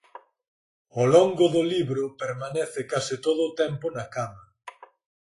Ó longo do libro permanece case todo o tempo na cama.